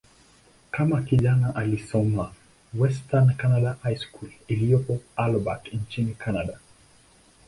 Kama kijana, alisoma "Western Canada High School" iliyopo Albert, nchini Kanada.